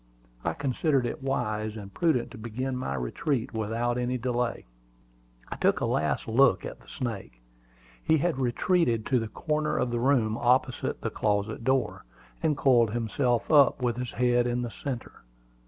I considered it wise and prudent to begin my retreat without any delay. I took a last look at the snake. He had retreated to the corner of the room opposite the closet door and coiled himself up, with his head in the centre.